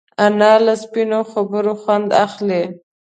انا له سپینو خبرو خوند اخلي